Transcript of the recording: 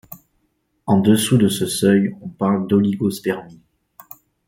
En dessous de ce seuil on parle d'oligospermie.